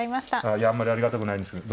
いやあんまりありがたくないんですけど。